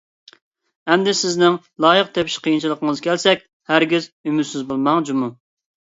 ئەمدى سىزنىڭ لايىق تېپىش قىيىنچىلىقىڭىزغا كەلسەك، ھەرگىز ئۈمىدسىز بولماڭ جۇمۇ!